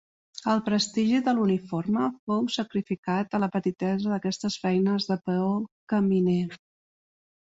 El prestigi de l'uniforme fou sacrificat a la petitesa d'aquestes feines de peó caminer.